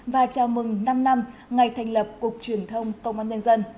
và chào mừng năm năm ngày thành lập cục truyền thông công an nhân dân